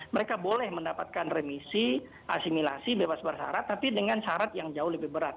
mereka boleh mendapatkan remisi asimilasi bebas bersarat tapi dengan syarat yang jauh lebih berat